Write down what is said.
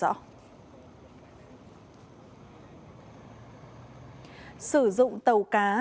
sử dụng tàu cá